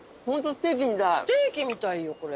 ステーキみたいよこれ。